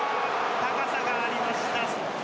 高さがありました。